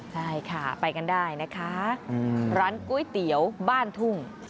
ใช่ค่ะไปกันได้นะคะร้านก๋วยเตี๋ยวบ้านทุ่ง